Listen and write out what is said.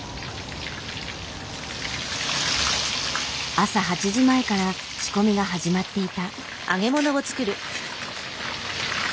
朝８時前から仕込みが始まっていた。